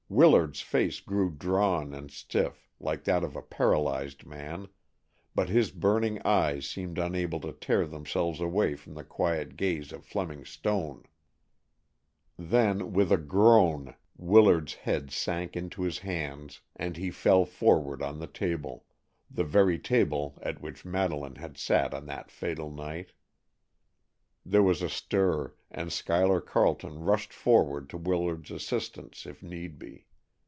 Willard's face grew drawn and stiff, like that of a paralyzed man, but his burning eyes seemed unable to tear themselves away from the quiet gaze of Fleming Stone. Then with a groan Willard's head sank into his hands and he fell forward on the table—the very table at which Madeleine had sat on that fatal night. There was a stir, and Schuyler Carleton rushed forward to Willard's assistance if need be.